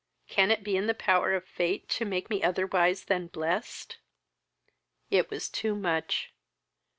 Can it be in the power of fate to make be otherwise than blest?" It was too much.